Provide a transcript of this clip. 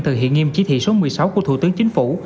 thực hiện nghiêm chỉ thị số một mươi sáu của thủ tướng chính phủ